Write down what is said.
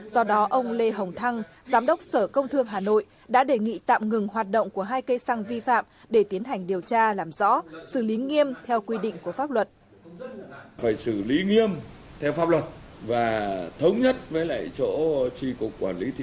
do đó ông lê hồng thăng giám đốc sở công thương hà nội đã đề nghị tạm ngừng hoạt động của hai cây xăng vi phạm để tiến hành điều tra làm rõ xử lý nghiêm theo quy định của pháp luật